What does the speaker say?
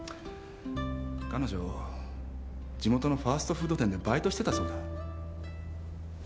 彼女地元のファストフード店でバイトしてたそうだ。